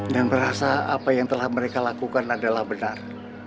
dan merasa apa yang telah mereka lakukan adalah benar